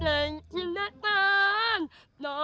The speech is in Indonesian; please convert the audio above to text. jangan kelima lu dikira